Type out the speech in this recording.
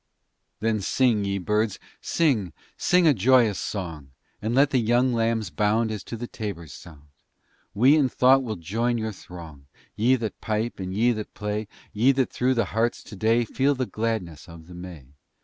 Then, sing ye Birds, sing, sing a joyous song! And let the young Lambs bound As to the tabor's sound! We in thought will join your throng, Ye that pipe and ye that play, Ye that through your hearts today Feel the gladness of the May!